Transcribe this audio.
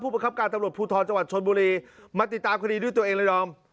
ประคับการตำรวจภูทรจังหวัดชนบุรีมาติดตามคดีด้วยตัวเองเลยดอม